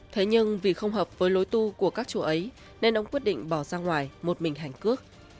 thế nhưng vì không hợp với lối tu của các chùa ấy nên ông quyết định bỏ ra ngoài một mình hành cước